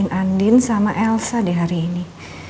randin sama elsa di hari ini